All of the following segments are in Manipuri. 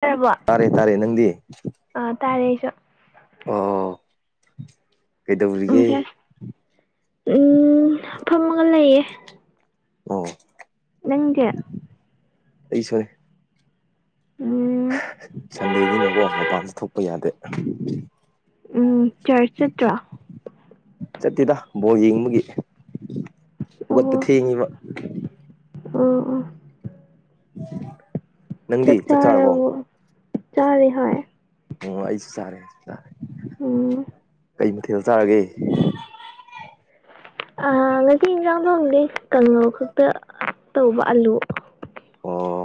ꯇꯥꯔꯕꯣ ꯇꯥꯔꯦ ꯇꯥꯔꯦ ꯅꯪꯗꯤ ꯑꯥ ꯇꯥꯔꯦ ꯑꯩꯁꯨ ꯑꯣ ꯀꯩꯗꯧꯔꯤꯒꯦ [unintelligible] ꯎꯝ ꯐꯝꯃꯒ ꯂꯩꯌꯦ ꯑꯣ ꯅꯪꯗꯤ ꯑꯩꯁꯨꯅꯤ ꯎꯝ ꯁꯟꯗꯦꯅꯤꯅꯒꯣ ꯃꯄꯥꯟꯖꯨ ꯊꯣꯛꯄ ꯌꯥꯗꯦ ꯎꯝ ꯆꯔꯆ ꯆꯠꯇ꯭ꯔꯣ [unintelligible] ꯆꯠꯇꯦꯗ ꯕꯣꯜ ꯌꯦꯡꯕꯒꯤ ꯑꯣ ꯍꯧꯒꯠꯄ ꯊꯦꯡꯉꯤꯕ ꯑꯣ ꯑꯣ [unintelligible] ꯅꯪꯗꯤ ꯆꯛ ꯆꯥꯛ ꯆꯥꯔꯕꯣ ꯆꯥꯔꯤ ꯍꯣꯏ ꯑꯣ ꯑꯩꯁꯨ ꯆꯥꯔꯦ ꯑ ꯎꯝ ꯀꯩ ꯃꯊꯦꯜ ꯆꯥꯔꯒꯦ ꯑ ꯉꯁꯤ ꯏꯟꯖꯥꯡ ꯊꯣꯡꯗꯦ ꯀꯥꯡꯉꯧ ꯈꯛꯇ ꯇꯧꯕ ꯑꯂꯨ ꯑꯣ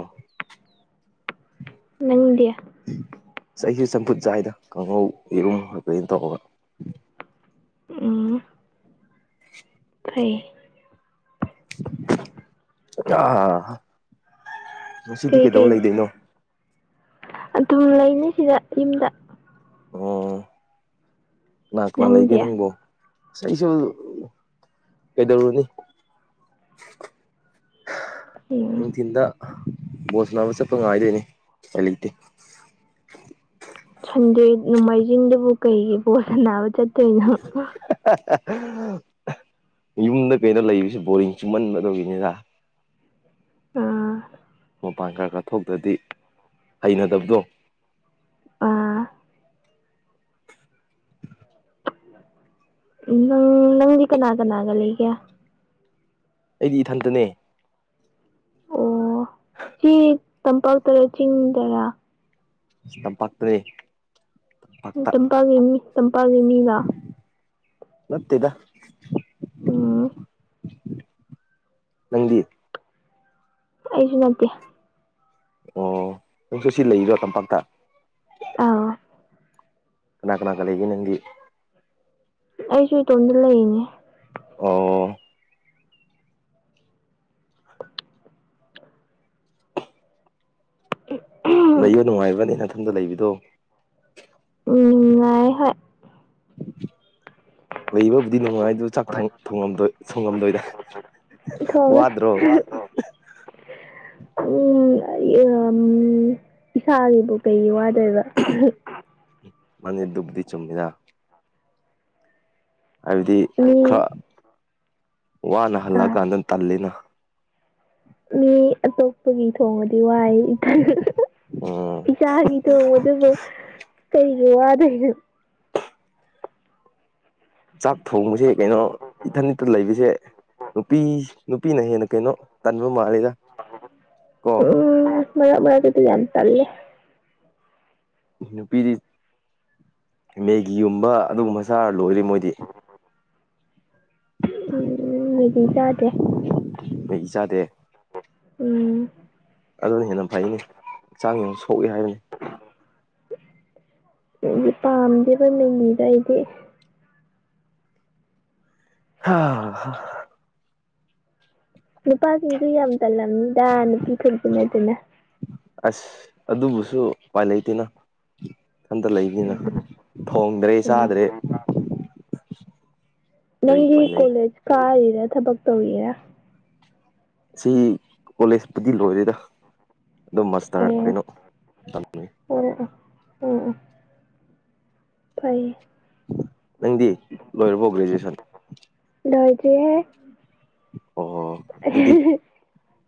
ꯅꯪꯗꯤ ꯏꯁ ꯑꯩꯖꯨ ꯆꯝꯐꯨꯠ ꯆꯥꯏꯗ ꯀꯥꯡꯉꯧ ꯌꯦꯔꯨꯝ [unintelligible] ꯇꯧꯔꯒ ꯎ ꯐꯩ [unintelligible] ꯀꯩ ꯀꯩꯗꯧ ꯀꯩ ꯂꯩꯗꯣꯏꯅꯣ ꯑꯗꯨꯝ ꯂꯩꯅꯤ ꯁꯤꯗ ꯌꯨꯝꯗ ꯑꯣ ꯀꯅꯥ ꯀꯅꯥ ꯂꯩꯒꯦ ꯅꯪꯗꯤ ꯅꯪꯕꯣ ꯑꯩꯁꯨ ꯀꯩꯗꯧꯔꯨꯅꯤ [inaudible] ꯅꯨꯡꯊꯤꯟꯗ ꯕꯣꯜ ꯁꯅꯥꯕ ꯆꯠꯄ ꯉꯥꯏꯗꯣꯏꯅꯤ ꯄꯥꯏ ꯂꯩꯇꯦ ꯁꯟꯗꯦ ꯅꯣꯡꯃꯥꯏꯖꯤꯡꯗꯕꯨ ꯀꯩꯒꯤ ꯕꯣꯜ ꯁꯥꯟꯅꯕ ꯆꯠ [inaudible] ꯌꯨꯝꯗ ꯀꯩꯗ ꯂꯩꯕꯁꯤ ꯕꯣꯔꯤꯡ ꯆꯨꯝꯃꯟꯕꯗꯨꯒꯤꯅꯤꯗ ꯑꯥ ꯃꯄꯥꯟ ꯈꯔ ꯈꯔ ꯊꯣꯛꯇ꯭ꯔꯗꯤ ꯍꯩꯅꯗꯕꯗꯣ ꯑꯥ ꯅꯪ ꯅꯪꯗꯤ ꯀꯅꯥ ꯀꯅꯥꯒ ꯂꯩꯒꯦ ꯑꯩꯗꯤ ꯏꯊꯟꯇꯅꯦ ꯑꯣ ꯆꯤ ꯇꯝꯄꯥꯛꯇꯔꯥ ꯆꯤꯡꯗꯔꯥ ꯇꯝꯄꯥꯛꯇꯔꯦ ꯇꯝꯄꯥꯒꯤ ꯃꯤ ꯇꯝꯄꯥꯒꯤ ꯃꯤꯂ ꯅꯠꯇꯦꯗ ꯑꯣ ꯑꯩꯗꯤ ꯑꯩꯁꯨ ꯅꯠꯇꯦ ꯑꯣ ꯅꯪꯁꯨ ꯁꯤ ꯂꯩꯔꯤꯔꯣ ꯇꯝꯄꯥꯛꯇ ꯑꯥꯎ ꯀꯅꯥ ꯀꯅꯥꯀ ꯂꯩꯒꯦ ꯅꯪꯒꯤ ꯑꯩꯁꯨ ꯏꯇꯣꯝꯗ ꯂꯩꯔꯤꯅꯦ ꯑꯣ ꯂꯩꯕ ꯅꯨꯡꯉꯥꯏꯕꯔꯥꯥꯅꯦ ꯅꯊꯟꯗ ꯂꯩꯕꯗꯣ ꯅꯨꯉꯥꯏ ꯍꯣꯏ ꯂꯩꯕꯕꯨꯗꯤ ꯅꯨꯡꯉꯥꯏ ꯑꯗꯨ ꯆꯥꯛ ꯊꯣꯡ ꯊꯣꯡꯉꯝꯗꯣꯏ ꯊꯣꯡꯉꯝꯗꯣꯏꯗ ꯊꯣꯡꯉꯦ ꯋꯥꯗ꯭ꯔꯣ [inaudible] ꯎꯝ [unintelligible] ꯏꯁꯥꯒꯤꯕꯨ ꯀꯩꯒꯤ ꯋꯥꯗꯣꯏꯕ ꯃꯥꯅꯦ ꯗꯨꯕꯨꯗꯤ ꯆꯨꯝꯃꯤꯗꯥ ꯍꯥꯏꯕꯗꯤ ꯃꯤ ꯈꯔ ꯋꯥꯅ ꯑꯥ ꯍꯜꯂꯛꯑꯀꯥꯟꯗ ꯇꯜꯂꯤꯅ ꯃꯤ ꯑꯇꯣꯞꯄꯒꯤ ꯊꯣꯡꯕꯗꯤ ꯋꯥꯏ ꯏꯊꯟ ꯎꯝ ꯏꯆꯥ ꯑꯅꯤꯗꯣ ꯑꯗꯨꯕꯨ ꯀꯩꯒꯤ ꯋꯥꯗꯣꯏꯅꯣ ꯆꯥꯛ ꯊꯣꯡꯕꯁꯦ ꯀꯩꯅꯣ ꯏꯊꯟ ꯏꯇꯟ ꯂꯩꯕꯁꯦ ꯅꯨꯄꯤ ꯅꯨꯄꯤꯅ ꯍꯦꯟꯅ ꯀꯩꯅꯣ ꯇꯟꯕ ꯃꯥꯜꯂꯤꯗ ꯀꯣ ꯎꯝ ꯃꯔꯛ ꯃꯔꯛꯇꯗꯤ ꯌꯥꯝ ꯇꯜꯂꯦ ꯅꯨꯄꯤꯗꯤ ꯃꯦꯒꯤꯒꯨꯝꯕ ꯑꯗꯨꯒꯨꯝꯕ ꯆꯥꯔ ꯂꯣꯏꯔꯦ ꯃꯣꯏꯗꯤ ꯎꯝ ꯃꯦꯒꯤ ꯆꯥꯗꯦ ꯀꯩꯒꯤ ꯆꯥꯗꯦ ꯎꯝ ꯑꯗꯨꯅ ꯍꯦꯟꯅ ꯐꯩꯅꯦ ꯍꯛꯆꯥꯡ ꯌꯥꯝ ꯁꯣꯛꯏ ꯍꯥꯏ [unintelligible] ꯄꯥꯝꯗꯦꯕ ꯃꯦꯒꯤꯖꯦ ꯑꯩꯗꯤ꯫ ꯍꯥ ꯍꯥ꯫ ꯅꯨꯄꯥꯁꯤꯡꯁꯨ ꯌꯥꯝ ꯇꯜꯂꯝꯃꯤꯗ ꯅꯨꯄꯤꯈꯛꯇ ꯅꯠꯇꯅ ꯑꯁ ꯑꯗꯨꯕꯨꯁꯨ ꯎꯄꯥꯏ ꯂꯩꯇꯦꯅ꯫ ꯏꯊꯟꯇ ꯂꯩꯕꯅꯤꯅ ꯎꯝ ꯊꯣꯡꯗ꯭ꯔꯦ ꯎꯝ ꯆꯥꯗ꯭ꯔꯦ꯫ ꯀꯔꯤ ꯅꯪꯗꯤ ꯎꯄꯥꯏ ꯂꯩ ꯀꯣꯂꯦꯖ ꯀꯥꯔꯤꯔ ꯊꯕꯛ ꯇꯧꯔꯤꯔ꯫ ꯁꯤ ꯀꯣꯂꯦꯖꯄꯨꯗꯤ ꯂꯣꯏꯔꯦꯗ ꯑꯗꯨꯝ ꯃꯥꯁꯇꯔ ꯀꯩꯅꯣ ꯇꯝꯃꯤ ꯑꯣꯑꯣ ꯑꯣꯑꯣ ꯐꯩ꯫ ꯅꯪꯗꯤ ꯂꯣꯏꯔꯕꯣ ꯒ꯭ꯔꯦꯖꯨꯑꯦꯁꯟ꯫ ꯂꯣꯏꯗꯔꯤꯌꯦ꯫ ꯑꯣ ꯑꯗꯨꯗꯤ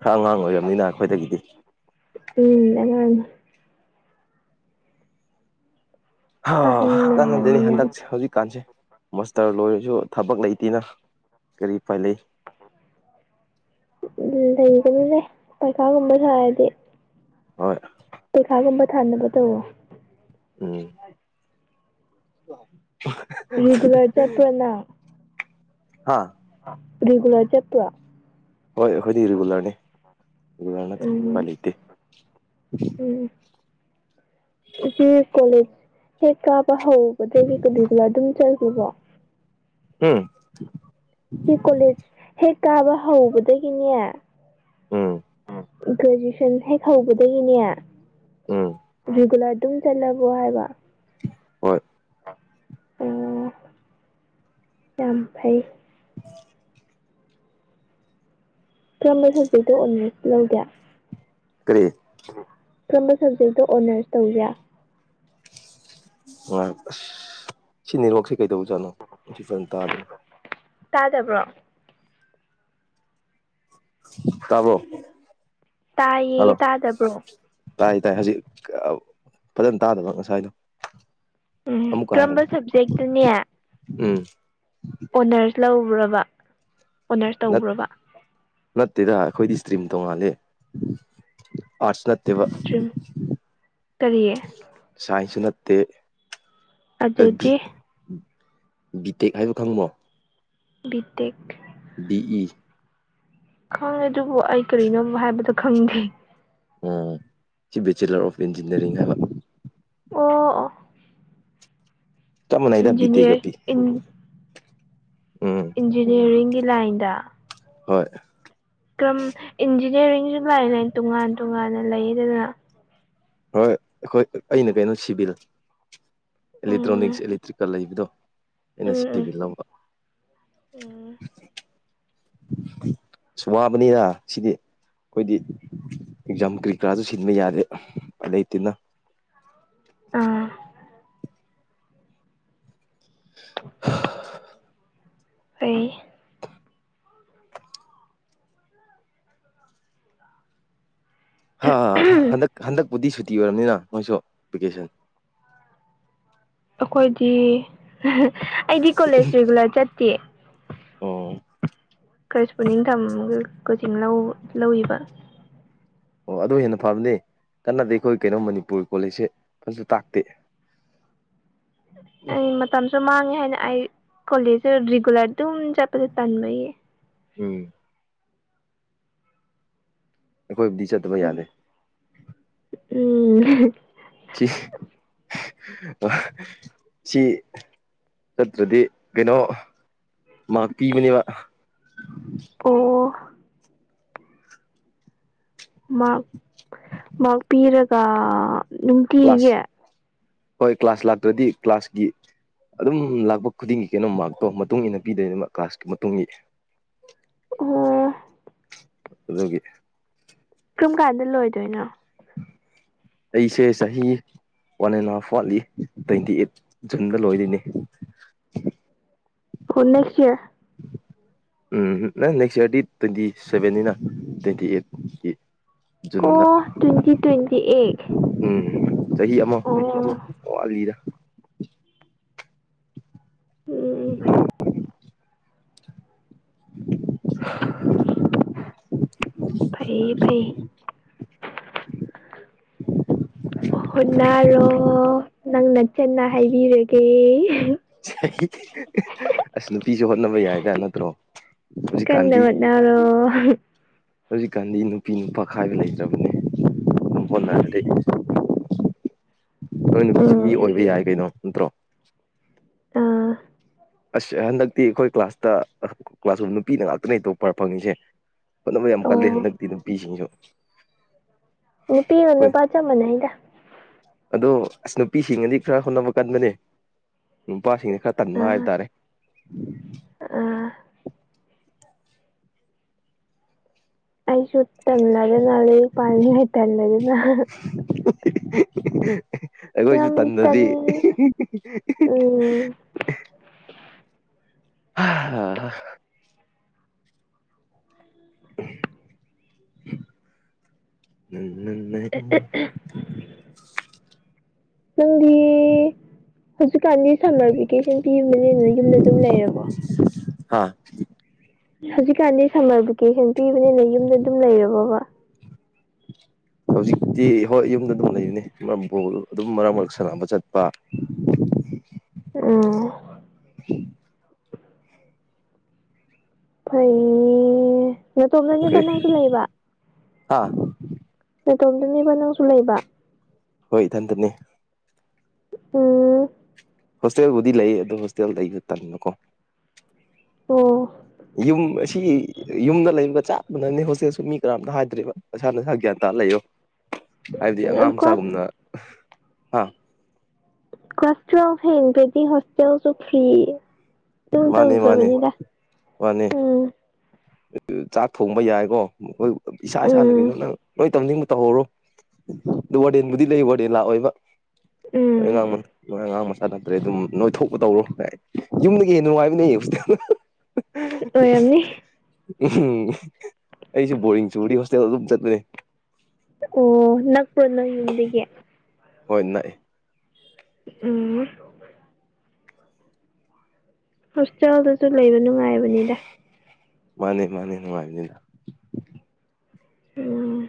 ꯈꯔ ꯑꯉꯥꯡ ꯑꯣꯏꯔꯕꯅꯤꯅ ꯑꯩꯈꯣꯏꯗꯒꯤꯗꯤ꯫ ꯎꯝ ꯑꯉꯥꯡꯅꯤ꯫ ꯍ ꯑꯍꯟ ꯀꯥꯟꯅꯗꯅꯦ ꯑꯣꯏꯔꯝꯅꯤ ꯍꯟꯗꯛꯁꯦ ꯍꯧꯖꯤꯛꯀꯥꯟꯁꯦ꯫ ꯃꯥꯁꯇꯔ ꯂꯣꯏꯔꯁꯨ ꯊꯕꯛ ꯂꯩꯇꯦꯅ ꯀꯔꯤ ꯎꯄꯥꯏ ꯂꯩꯩ꯫ ꯎꯝ ꯂꯩꯕꯅꯤꯍꯦ ꯄꯩꯈꯥꯒꯨꯝꯕ ꯊꯔꯗꯤ꯫ ꯍꯣꯏ꯫ ꯄꯩꯈꯥꯒꯨꯝꯕ ꯊꯥꯅꯕ ꯇꯧꯋꯣ꯫ ꯎꯝ꯫ [unintelligible] ꯨꯔꯤꯒꯨꯂꯔ ꯆꯠꯄꯔꯣ ꯅꯪ꯫ ꯍꯥ꯫ ꯔꯤꯒꯨꯂꯔ ꯆꯠꯄꯔꯣ꯫ ꯍꯣꯏ ꯑꯩꯈꯣꯏꯗꯤ ꯔꯤꯒꯨꯂꯔꯅꯤ ꯔꯤꯒꯨꯂꯔ ꯅꯠꯇ꯭ꯔꯗꯤ ꯎꯄꯥꯏ ꯎꯝ ꯂꯩꯇꯦ꯫ [inaudible] ꯁꯤꯁꯤ ꯀꯣꯂꯦꯖ ꯍꯦꯛ ꯀꯥꯕ ꯍꯧꯕꯗꯒꯤ ꯔꯤꯒꯨꯂꯔ ꯑꯗꯨꯝ ꯆꯥꯠꯂꯤꯕꯣ꯫ ꯍꯨꯝ꯫ ꯁꯤ ꯀꯣꯂꯦꯖ ꯍꯦꯛ ꯀꯥꯕ ꯍꯧꯕꯗꯒꯤꯅꯦ꯫ ꯎꯝ ꯒ꯭ꯔꯦꯖꯨꯋꯦꯁꯟ ꯍꯦꯛ ꯍꯧꯕꯗꯒꯤꯅꯦ ꯎꯝ ꯔꯤꯒꯨꯂꯔ ꯑꯗꯨꯝ ꯆꯠꯂꯕꯣ ꯍꯥꯏꯕ꯫ ꯍꯣꯏ꯫ ꯑꯣ ꯌꯥꯝ ꯐꯩ꯫ [unintelligible] ꯀꯔꯝꯕ ꯁꯕꯖꯦꯛꯇꯣ ꯑꯣꯅꯔꯁ ꯂꯣꯏꯒꯦ꯫ ꯀꯔꯤ꯫ ꯀꯔꯝꯕ ꯁꯕꯖꯦꯛꯇ ꯑꯣꯅꯔꯁ ꯇꯧꯒꯦ꯫ ꯑꯁ ꯁꯤ ꯅꯦꯠꯋꯥꯔꯛꯁꯦ ꯀꯩꯗꯧꯕꯖꯥꯠꯅꯣ ꯃꯁꯤ ꯐꯖꯅ ꯇꯥꯗꯦ꯫ ꯇꯥꯗꯕ꯭ꯔꯣ꯫ ꯇꯥꯕꯣ ꯍꯜꯂꯣ꯫ ꯇꯥꯏꯌꯦ ꯇꯥꯗꯕ꯭ꯔꯣ ꯇꯥꯏ ꯇꯥꯏ ꯍꯧꯖꯤꯛ ꯐꯖꯅ ꯇꯥꯗꯕ ꯉꯁꯥꯏꯗꯣ꯫ ꯎꯝ ꯑꯃꯨꯛꯀ ꯀꯔꯝꯕ ꯍꯥꯏꯔꯅꯦ ꯁꯕꯖꯦꯛꯇꯅꯦ꯫ ꯎꯝ꯫ ꯑꯣꯅꯔꯁ ꯂ꯭ꯧꯕꯔꯕ ꯑꯣꯅꯔꯁ ꯅꯠ ꯇꯧꯕ꯭ꯔꯕ꯫ ꯅꯠꯇꯦꯗ ꯑꯩꯈꯣꯏꯗꯤ ꯏꯁꯇ꯭ꯔꯤꯝ ꯇꯧꯉꯥꯂꯦ ꯑꯥꯔꯠꯁ ꯅꯠꯇꯦꯕ꯫ ꯏꯁꯇ꯭ꯔꯤꯝ ꯀꯔꯤ ꯁꯥꯏꯁꯨ ꯅꯠꯇꯦ ꯑꯕꯤ ꯑꯗꯨꯗꯤ ꯕꯤꯇꯦꯛ ꯍꯥꯏꯗꯣ ꯈꯪꯉꯨꯃꯣ ꯕꯤꯇꯦꯛ ꯕꯤ ꯏ ꯈꯪꯉꯦ ꯑꯗꯨꯕꯨ ꯑꯩ ꯀꯔꯤꯅꯣꯝ ꯍꯥꯏꯕꯗꯣ ꯈꯪꯗ꯭ꯔ‌ꯦ ꯎꯝ ꯁꯤ ꯕꯦꯆꯤꯂꯔ ꯑꯣꯐ ꯏꯟꯖꯤꯅꯤꯌꯥꯔꯤꯡ ꯍꯥꯏꯕ ꯑꯣ ꯑꯣ ꯆꯞ ꯃꯥꯟꯅꯩꯗ ꯕꯤ ꯇꯦꯛꯒ ꯏꯟꯖꯤꯅꯤꯌꯔ ꯄꯤ ꯎꯝ ꯏꯟꯖꯤꯅꯤꯌꯥꯔꯤꯡꯒꯤ ꯂꯥꯏꯟꯗꯥ ꯍꯣꯏ ꯀꯔꯝ ꯏꯟꯖꯤꯅꯤꯌꯥꯔꯤꯡꯁꯨ ꯂꯥꯏꯟ ꯂꯥꯏꯟ ꯇꯣꯉꯥꯟ ꯇꯣꯉꯥꯟꯅ ꯂꯩꯗꯅ ꯍꯣꯏ ꯑꯩꯈꯣꯏ ꯑꯩꯅ ꯀꯩꯅꯣ ꯁꯤꯕꯤꯜ ꯎꯝ ꯑꯦꯂꯦꯛꯇ꯭ꯔꯣꯅꯤꯛꯁ ꯑꯦꯂꯦꯛꯇ꯭ꯔꯤꯀꯜ ꯂꯩꯕꯗꯣ ꯑꯩꯅ ꯎꯝ ꯁꯤ ꯇꯤ ꯎꯝ ꯚꯤ ꯂꯧꯕ ꯎꯝ ꯏꯁ ꯋꯥꯕꯅꯤꯗ ꯁꯤꯗꯤ ꯑꯩꯈꯣꯏꯗꯤ ꯑꯦꯛꯖꯥꯝ ꯀꯔꯤ ꯀꯔꯥꯁꯨ ꯁꯤꯟꯕ ꯌꯥꯗꯦ [unintelligible] ꯂꯩꯇꯅ ꯑꯥ ꯑꯩ ꯍꯥ ꯍꯟꯗꯛ ꯍꯟꯗꯛꯄꯨꯗꯤ ꯁꯨꯇꯤ ꯑꯣꯏꯔꯕꯅꯤꯅ ꯑꯈꫭꯏꯁꯨ ꯚꯦꯀꯦꯁꯟ ꯑꯩꯈꯣꯏꯗꯤ ꯑꯩꯗꯤ ꯀꯣꯂꯦꯖ ꯔꯤꯒꯨꯂꯔ ꯆꯠꯇꯦ ꯑꯣ ꯀꯔꯤ ꯏꯁ꯭ꯀꯅꯤꯡ ꯊꯝꯒ ꯀꯣꯆꯤꯡ ꯂꯧ ꯂꯧꯏꯔꯤꯕꯥ ꯑꯣ ꯑꯗꯨ ꯍꯦꯟꯅ ꯐꯕꯅꯦ ꯀꯟꯅꯗꯤ ꯑꯩꯈꯣꯏ ꯀꯩꯅꯣ ꯃꯅꯤꯄꯨꯔꯒꯤ ꯀꯣꯂꯦꯖꯁꯦ ꯐꯖꯁꯨ ꯇꯥꯛꯇꯦ [inaudible] ꯑꯩ ꯃꯇꯝꯁꯨ ꯃꯥꯡꯉꯦ ꯍꯥꯏꯅ ꯑꯩ ꯀꯣꯂꯦꯖꯁꯨ ꯔꯤꯒꯨꯂꯔ ꯑꯗꯨꯝ ꯆꯠꯄꯁꯦ ꯇꯟꯕꯌꯦ ꯎꯝ ꯑꯩꯈꯣꯏꯕꯨꯗꯤ ꯆꯠ ꯎꯝ ꯁꯤ ꯁꯤ ꯆꯠꯇ꯭ꯔꯥꯗꯤ ꯀꯩꯅꯣ ꯃꯥꯛ ꯄꯤꯕꯅꯦꯕ ꯑꯣ ꯃꯥꯔꯛ ꯃꯥꯔꯛ ꯄꯤꯔꯒ ꯅꯨꯡꯇꯤꯒꯤ ꯀ꯭ꯂꯥꯁ ꯍꯣꯏ ꯀ꯭ꯂꯥꯁ ꯂꯥꯛꯇ꯭ꯔꯗꯤ ꯀ꯭ꯂꯥꯁꯀꯤ ꯑꯗꯨꯝ ꯂꯥꯛꯄ ꯈꯨꯗꯤꯡꯒꯤ ꯀꯩꯅꯣ ꯃꯥꯔꯛꯇꯣ ꯃꯇꯨꯡ ꯏꯟꯅꯥ ꯄꯤꯗꯣꯏꯅꯦꯕ ꯀ꯭ꯂꯥꯁꯀꯤ ꯃꯇꯨꯡ ꯏꯟꯅꯥ ꯑꯣ ꯑꯗꯨꯒꯤ ꯀꯔꯝ ꯀꯥꯟꯗ ꯂꯣꯏꯗꯣꯏꯅꯣ ꯑꯩꯁꯦ ꯆꯍꯤ ꯋꯥꯟ ꯑꯦꯟ ꯍꯥꯐ ꯋꯥꯠꯂꯤ ꯇ꯭ꯋꯦꯟꯇꯤ ꯑꯩꯠ ꯖꯨꯟꯗ ꯂꯣꯏꯔꯤꯅꯤ ꯍꯨ ꯅꯦꯛꯁ ꯏꯌꯥꯔ ꯎꯝ ꯅꯪ ꯅꯦꯛꯁ ꯏꯔꯗꯤ ꯇ꯭ꯋꯦꯟꯇꯤ ꯁꯕꯦꯟꯅꯤꯅ ꯇ꯭ꯋꯦꯟꯇꯤ ꯑꯩꯠꯀꯤ ꯖꯨꯟꯗꯥ ꯑꯣ ꯇ꯭ꯋꯦꯟꯇꯤ ꯇ꯭ꯋꯦꯟꯇꯤ ꯑꯩꯠ ꯎꯝ ꯆꯍꯤ ꯑꯃꯥ ꯑꯣ ꯋꯥꯠꯂꯤꯗ ꯎꯝ ꯎ [unintelligible] [unintelligible] ꯐꯩꯌ‌ꯦ ꯐꯩꯌ‌ꯦ ꯍꯣꯠꯅꯔꯣ ꯅꯪ ꯅꯆ‌ꯦꯅ ꯍꯥꯏꯕꯤꯔꯒꯦ ꯑꯁ ꯅꯨꯄꯤꯁꯨ ꯍꯣꯠꯅꯕ ꯌꯥꯏꯗ ꯅꯠꯇ꯭ꯔꯣ ꯀꯟꯅ ꯍꯧꯖꯤꯛꯀꯥꯟꯗꯤ ꯍꯣꯠꯅꯔꯣ ꯍꯧꯖꯤꯛꯀꯥꯟꯗꯤ ꯅꯨꯄꯤ ꯅꯨꯄꯥ ꯈꯥꯏꯕ ꯂꯩꯇꯕꯅꯦ ꯗꯨꯝ ꯐꯣꯟ ꯅꯔ ꯗꯤ [inaudible] ꯅꯣꯏ ꯅꯨꯄꯤꯁꯨ ꯃꯤ ꯎꯝ ꯑꯣꯏꯕ ꯌꯥꯏ ꯀꯩꯅꯣ ꯅꯠꯇ꯭ꯔꯣ ꯑꯥ ꯑꯁ ꯑ ꯍꯟꯗꯛꯇꯤ ꯑꯩꯈꯣꯏ ꯀ꯭ꯂꯥꯁꯇ ꯑꯍ ꯀ꯭ꯂꯥꯁ ꯔꯨꯝ ꯅꯨꯄꯤꯅ ꯉꯥꯛꯇꯅꯦ ꯇꯣꯛꯄꯔ ꯐꯪꯉꯤꯁꯦ ꯍꯣꯠꯅꯕ ꯌꯥꯝ ꯀꯜꯂꯦ ꯍꯟꯗꯛꯇꯤ ꯅꯨꯄꯤꯁꯤꯡꯖꯨ ꯎ ꯄꯤꯒ ꯅꯨꯄꯥꯒ ꯆꯞ ꯃꯥꯟꯅꯩꯗ ꯑꯗꯣ ꯑꯁ ꯅꯨꯄꯤꯁꯤꯡꯅꯗꯤ ꯈꯔ ꯍꯣꯠꯅꯕ ꯀꯟꯕꯅꯦ ꯅꯨꯄꯥꯁꯤꯡꯅ ꯈꯔ ꯇꯟꯕ ꯍꯥꯏ ꯇꯥꯔꯦ ꯑ ꯑꯥ ꯑꯩꯁꯨ ꯇꯜ [unintelligible] ꯎꯍ [unintelligible] ꯑꯩꯈꯣꯏꯖꯨ ꯌꯥꯝ ꯇꯟ ꯇꯟꯗꯗꯤ ꯎꯝ ꯍꯥ ꯍꯍꯥ [unintelligible] ꯅꯪꯗꯤ ꯍꯧꯖꯤꯛꯀꯥꯟꯗꯤ ꯁꯝꯃꯔ ꯚꯦꯀꯦꯁꯟꯄꯤ ꯌꯨꯝꯗ ꯂꯦꯡꯗꯅ ꯌꯨꯝꯗ ꯑꯗꯨꯝ ꯂꯩꯔꯕꯣ ꯍꯧꯖꯤꯛꯀꯥꯟꯗꯤ ꯁꯝꯃꯔ ꯚꯦꯀꯦꯁꯟ ꯄꯤꯕꯅꯤꯅ ꯌꯨꯝꯗ ꯑꯗꯨꯝ ꯂꯩꯔꯕꯕ ꯍꯧꯖꯤꯛꯇꯤ ꯍꯣꯏ ꯌꯨꯝꯗ ꯑꯗꯨꯝ ꯂꯩꯔꯤꯅꯦ ꯃꯔ ꯕꯣꯜ ꯑꯗꯨꯝ ꯃꯔꯛ ꯃꯔꯛ ꯁꯥꯟꯅꯕ ꯆꯠꯄ ꯑ ꯐꯩꯌꯦ ꯅꯇꯣꯝꯅꯅꯦꯕ ꯅꯪꯁꯨ ꯂꯩꯕ ꯑꯥ ꯅꯇꯣꯝꯗꯅꯦꯕ ꯅꯪꯁꯨ ꯂꯩꯕ ꯍꯣꯏ ꯏꯊꯟꯇꯅꯦ ꯎ ꯍꯣꯁꯇꯦꯜꯕꯨꯗꯤ ꯂꯩ ꯑꯗꯣ ꯍꯣꯁꯇꯦꯜꯗ ꯑꯩꯅ ꯇꯟꯕꯀꯣ ꯑꯣ ꯌꯨꯝ ꯑꯁꯤ ꯌꯨꯝꯗ ꯂꯩꯕ ꯆꯥꯞ ꯃꯥꯟꯅꯅꯤ ꯍꯣꯁꯇꯦꯜꯁꯨ ꯃꯤ ꯀꯔꯝꯇ ꯍꯥꯏꯗ꯭ꯔꯦꯕ ꯅꯁꯥ ꯅꯁꯥ ꯒ꯭ꯌꯥꯟ ꯇꯥ ꯂꯩꯌꯣ ꯍꯥꯏꯕꯗꯤ ꯑꯉꯥꯡ ꯀ꯭ꯂꯥꯁ ꯃꯆꯥꯒꯨꯝꯅ ꯍꯥꯥ ꯀꯂ꯭ꯁ ꯇꯨꯌꯦꯜꯞ ꯍꯌꯦꯡꯗꯒꯤ ꯍꯣꯁꯇꯦꯜꯁꯨ ꯐ꯭ꯔꯤ ꯑꯗꯨꯝ ꯃꯥꯅꯦ ꯃꯥꯅꯦ ꯇꯧꯈ꯭ꯔꯕꯅꯤꯗ ꯎꯝ ꯑ ꯑ ꯆꯥꯛ ꯊꯣꯡꯕ ꯌꯥꯏꯀꯣ ꯑꯩꯈꯣꯏ ꯑ ꯏꯁꯥ ꯏꯁꯥꯅ ꯎꯝ ꯀꯩꯅꯣ ꯅꯪ ꯂꯣꯏ ꯇꯝꯅꯤꯡꯕ ꯇꯧꯍꯧꯔꯣ ꯑ ꯋꯥꯔꯗꯦꯟꯕꯨꯗꯤ ꯂꯩ ꯋꯥꯔꯗꯦꯟ ꯂꯥꯛꯑꯣꯏꯕ ꯍꯣꯏ ꯎꯝ ꯑꯉꯥꯡ ꯅꯣꯏ ꯑꯉꯥꯡ ꯃꯆꯥ ꯅꯠꯇ꯭ꯔꯦ ꯑꯗꯨꯝ ꯅꯣꯏ ꯊꯣꯛꯄ ꯇꯧꯔꯣ ꯒꯥꯏ ꯌꯨꯝꯗꯒꯤ ꯍꯦꯟ ꯅꯨꯡꯉꯥꯏꯕꯅꯦ ꯍꯣꯁꯇꯦꯜ ꯑꯣꯏꯔꯝꯅꯤ ꯎꯍꯨꯝ ꯎ ꯑꯩꯖꯨ ꯕꯣꯔꯤꯡ ꯆꯨꯔꯗꯤ ꯍꯣꯁꯇꯦꯜ ꯑꯗꯨꯝ ꯆꯠꯂꯦ ꯑꯣ ꯅꯛꯄ꯭ꯔꯣ ꯅꯪ ꯌꯨꯝꯗꯒꯤ ꯍꯣꯏ ꯅꯛꯏ ꯎꯝ ꯑ ꯍꯣꯁꯇꯦꯜꯗꯨꯁꯨ ꯂꯩꯕ ꯅꯨꯡꯉꯥꯏꯕꯅꯤꯗ ꯃꯥꯅꯦ ꯃꯥꯅꯦ ꯅꯨꯡꯉꯥꯏꯕꯅꯤꯗ ꯎ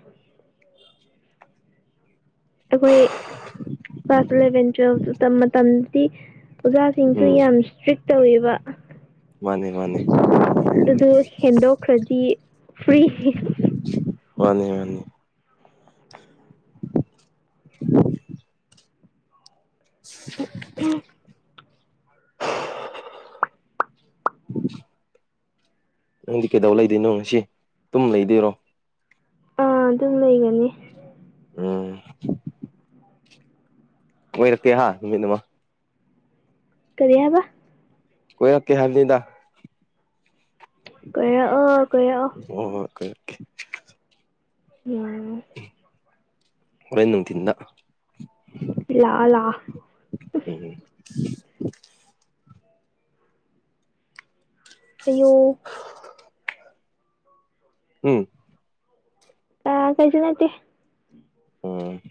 ꯑꯩꯈꯣꯏ ꯀ꯭ꯂꯥꯁ ꯑꯦꯂꯚꯦꯟ ꯇꯨꯌꯦꯜꯞꯇ ꯇꯝ ꯃꯇꯝꯗꯗꯤ ꯑꯣꯖꯥꯁꯤꯡꯁꯨ ꯎꯝ ꯌꯥꯝ ꯏꯁꯇ꯭ꯔꯤꯛ ꯇꯧꯋꯦꯕ ꯃꯥꯅꯦ ꯃꯥꯅꯦ ꯑꯗꯨꯗꯤ ꯍꯦꯟꯗꯣꯛꯈ꯭ꯔꯗꯤ ꯐ꯭ꯔꯤ꯫ ꯃꯥꯅꯦ ꯃꯥꯅꯤ꯫ ꯎ [inaudible] ꯑꯥ [inaudible] [inaudible] ꯅꯪꯗꯤ ꯀꯩꯗꯧ ꯂꯩꯗꯣꯏꯅꯣ ꯉꯁꯤ ꯇꯨꯝ ꯂꯩꯗꯣꯏꯔꯣ? ꯑꯥ ꯇꯨꯝ ꯂꯩꯒꯅꯤ꯫ ꯎꯝ꯫ ꯀꯣꯏꯔꯛꯀꯦ ꯍꯥ ꯅꯨꯃꯤꯠ ꯑꯃ꯫ ꯀꯔꯤ ꯍꯥꯏꯕ꯫ ꯀꯣꯏꯔꯛꯀꯦ ꯍꯥꯏꯕꯅꯤꯗ꯫ ꯀꯣꯢꯔꯛꯑꯣ ꯀꯣꯢꯔꯛꯑꯣ꯫ ꯍꯣꯢ ꯍꯣꯢ ꯀꯣꯢꯔꯛꯀꯦ꯫ ꯅꯨꯉꯥꯏꯔꯝꯅꯤ꯫ ꯎꯝ ꯍꯣꯔꯦꯟ ꯅꯨꯡꯊꯤꯟꯗ꯫ ꯂꯥꯛꯑꯣ ꯂꯥꯛꯑꯣ꯫ ꯎꯝ ꯑꯌꯨꯛ꯫ ꯍꯨꯝ꯫ ꯑ ꯀꯩꯁꯨ ꯅꯠꯇꯦ꯫ ꯎꯝ꯫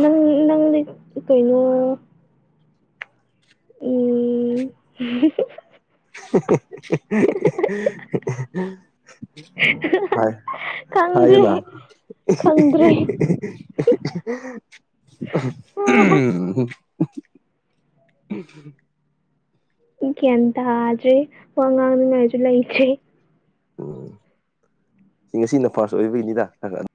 ꯅꯪ ꯅꯪꯗꯤ ꯀꯩꯅꯣ꯫ ꯎꯝ [unintelligible] [inaudible] ꯍꯥꯏ ꯈꯪꯗ꯭ꯔꯦ ꯍꯣꯢꯌꯨꯅ [inaudible] ꯈꯪꯗ꯭ꯔꯦ ꯎ [inaudible] ꯒ꯭ꯌꯥꯟ ꯇꯥꯗ꯭ꯔꯦ ꯋꯥ ꯉꯥꯡꯅꯤꯡꯉꯥꯏꯁꯨ ꯂꯩꯇ꯭ꯔꯦ꯫ ꯎꯝ ꯉꯁꯤꯅ ꯐꯥꯔꯁ ꯑꯣꯏꯕꯒꯤꯅꯤꯗ ꯈꯒꯛ ꯑ